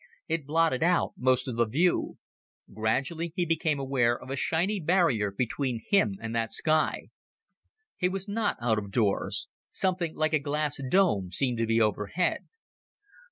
It blotted out most of the view. Gradually, he became aware of a shiny barrier between him and that sky he was not out of doors. Something like a glass dome seemed to be overhead.